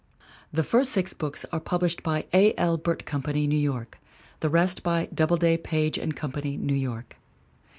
The first six books are published by A. L. Burt Com pany, New York; the rest by Doubleday, Page & Company, New York.